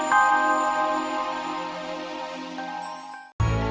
kalau enggak tau dia manos increase